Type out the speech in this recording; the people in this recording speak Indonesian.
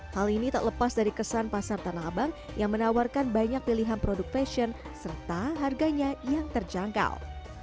hal ini tak lepas dari kesan pasar tanah abang yang menawarkan banyak pilihan produk fashion serta harganya yang terjangkau